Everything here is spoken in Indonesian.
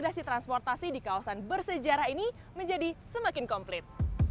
transportasi transportasi di kawasan bersejarah ini menjadi semakin komplit